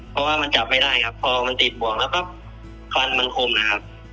เพราะว่ามันจับไม่ได้ครับพอมันติดบ่วงแล้วก็ควันมันคมนะครับ